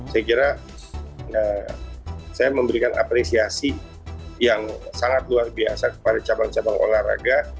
saya kira saya memberikan apresiasi yang sangat luar biasa kepada cabang cabang olahraga